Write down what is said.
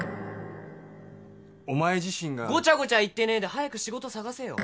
ごちゃごちゃ言ってねえで早く仕事探せよ。